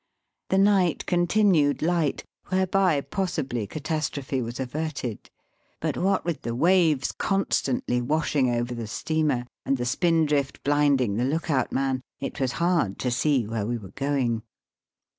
The night con^ tinned light, whereby possibly catastrophe was averted. But what with the waves constantly washing over the steamer, and the spindrift blinding the look out man, it was hard to see where we were going.